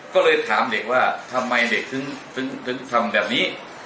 ก็เลยถามเด็กว่าทำไมเด็กถึงทำแบบนี้